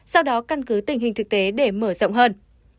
sau đó căn cứ tình hình thực tế để mở rộng hơn